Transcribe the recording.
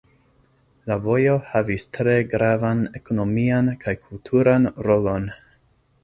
La vojo havis tre gravan ekonomian kaj kulturan rolon.